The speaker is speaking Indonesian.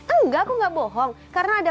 enggak aku nggak bohong karena ada